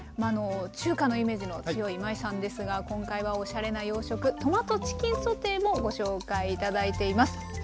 中華のイメージの強い今井さんですが今回はおしゃれな洋食トマトチキンソテーもご紹介頂いています。